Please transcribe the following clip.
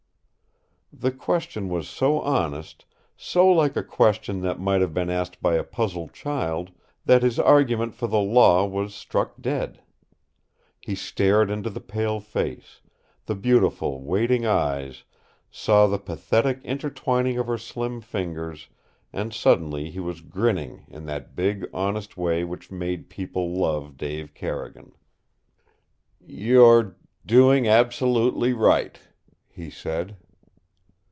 The question was so honest, so like a question that might have been asked by a puzzled child, that his argument for the Law was struck dead. He stared into the pale face, the beautiful, waiting eyes, saw the pathetic intertwining of her slim fingers, and suddenly he was grinning in that big, honest way which made people love Dave Carrigan. "You're doing absolutely right," he said.